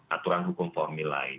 aturan hukum formil lain